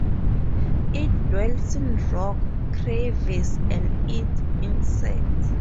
It dwells in rock crevices and eats insects.